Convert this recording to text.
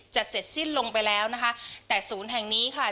เสร็จสิ้นลงไปแล้วนะคะแต่ศูนย์แห่งนี้ค่ะ